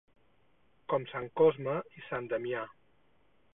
Com sant Cosme i sant Damià.